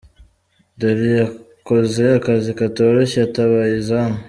Ndori akoze akazi katoroshye atabaye izamu.